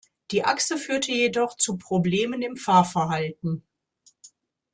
Diese Achse führte jedoch zu Problemen im Fahrverhalten.